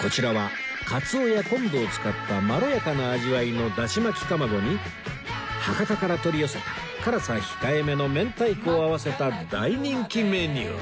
こちらはかつおや昆布を使ったまろやかな味わいのだし巻き卵に博多から取り寄せた辛さ控えめの明太子を合わせた大人気メニュー